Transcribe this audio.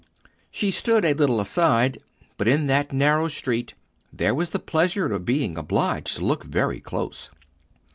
She stood a little aside, but in that narrow street there was the pleasure of being obliged to look very close.